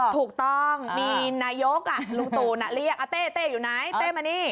ถูกต้องมีนายกลุงตูนเรียกเต้เต้อยู่ไหนเต้มานี่